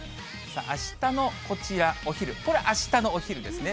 あしたのこちら、お昼、これ、あしたのお昼ですね。